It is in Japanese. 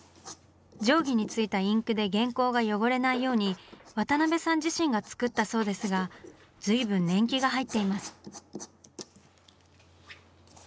定規についたインクで原稿が汚れないように渡辺さん自身が作ったそうですが随分年季が入ってます。